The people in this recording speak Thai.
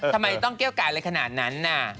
ทำไมต้องเกี้ยวกายอะไรขนาดนั้นน่ะ